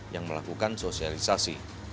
yang melakukan sosialisasi